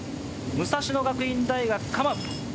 武蔵野学院大学、カマウ